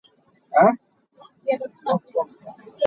Cauk cu cabuai cungah a um.